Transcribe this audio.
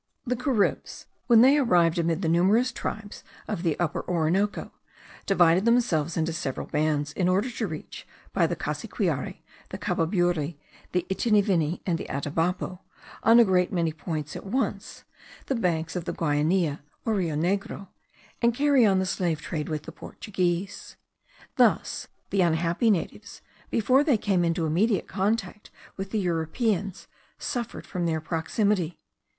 The Caribs, when they arrived amid the numerous tribes of the Upper Orinoco, divided themselves into several bands, in order to reach, by the Cassiquiare, the Cababury, the Itinivini, and the Atabapo, on a great many points at once, the banks of the Guiainia or Rio Negro, and carry on the slave trade with the Portuguese. Thus the unhappy natives, before they came into immediate contact with the Europeans, suffered from their proximity.